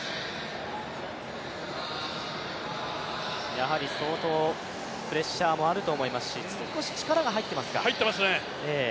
やはり相当プレッシャーもあると思いますし入ってますね。